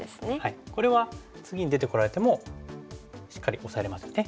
これは次に出てこられてもしっかりオサえれますよね。